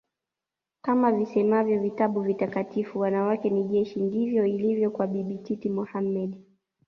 Kama visemavyo vitabu vitakatifu wanawake ni jeshi ndivyo ilivyo kwa Bibi Titi Mohamed